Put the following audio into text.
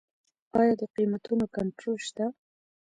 آیا د قیمتونو کنټرول شته؟